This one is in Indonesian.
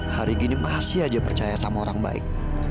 hari gini masih aja percaya sama orang baik